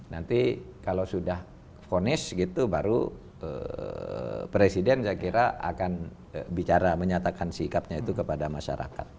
nanti kalau sudah fonis gitu baru presiden saya kira akan bicara menyatakan sikapnya itu kepada masyarakat